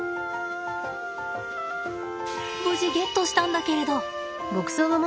無事ゲットしたんだけれど。